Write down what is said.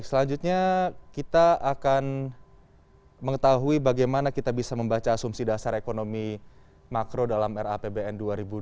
selanjutnya kita akan mengetahui bagaimana kita bisa membaca asumsi dasar ekonomi makro dalam rapbn dua ribu dua puluh